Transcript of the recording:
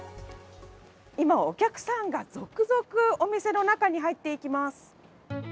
今、お客さんが続々お店の中に入っていきます。